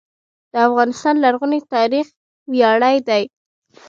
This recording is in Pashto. د افغانستان لرغونی تاریخ ویاړلی دی